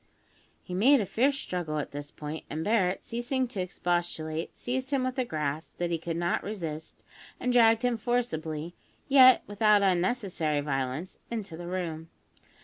He made a fierce struggle at this point; and Barret, ceasing to expostulate, seized him with a grasp that he could not resist, and dragged him forcibly, yet without unnecessary violence, into the room.